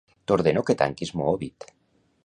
T'ordeno que tanquis Moovit.